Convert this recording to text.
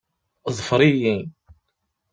Ḍfer-iyi.